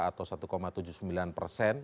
atau satu tujuh puluh sembilan persen